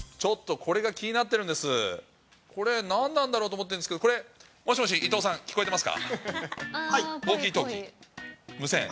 これなんなんだろうと思ってるんですけど、これ、もしもし伊藤さん、聞こえてますか？